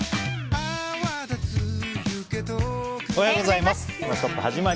おはようございます。